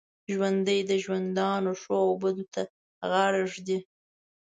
ژوندي د ژوندانه ښو او بدو ته غاړه ږدي